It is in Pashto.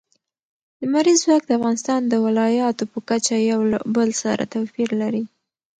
لمریز ځواک د افغانستان د ولایاتو په کچه یو له بل سره توپیر لري.